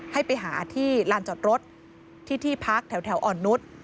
ให้ไปหาที่ลานจอดรถที่ที่พักแถวอ่อนนุษย์